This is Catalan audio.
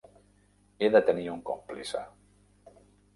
He de tenir un còmplice.